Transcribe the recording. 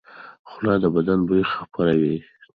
خوله د بدن بوی خپروي.